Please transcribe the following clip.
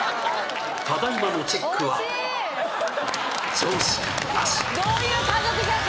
ただいまのチェックはどういう家族写真？